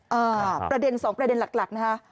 อ่าประเด็น๒ประเด็นหลักนะฮะ